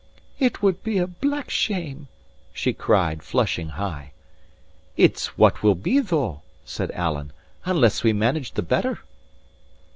"It would be a black shame," she cried, flushing high. "It's what will be, though," said Alan, "unless we manage the better."